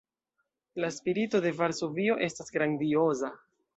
La spirito de Varsovio estas grandioza.